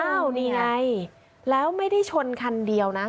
นี่ไงแล้วไม่ได้ชนคันเดียวนะ